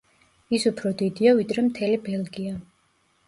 ის უფრო დიდია ვიდრე მთელი ბელგია.